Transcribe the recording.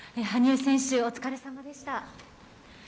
羽生選手、お疲れさまでした。